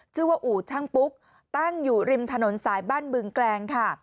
ชื่อว่าอู่ช่างปุ๊กตั้งอยู่ริมถนนสายบ้านบึงแกลงค่ะ